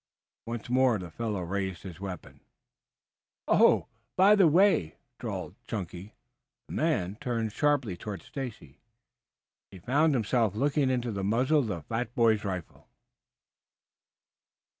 Once more the fellow raised his weapon. "Oh, by the way!" drawled Chunky. The man turned sharply toward Stacy. He found himself looking into the muzzle of the fat boy's rifle.